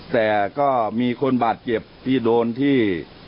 แต่ก็มีคนบาดเจ็บที่โดนที่